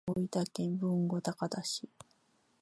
大分県豊後高田市